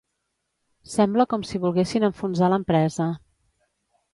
Sembla com si volguessin enfonsar l'empresa.